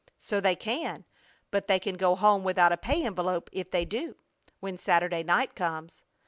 So they can, but they can go home without a pay envelope if they do, when Saturday night comes.